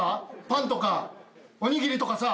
パンとかおにぎりとかさ。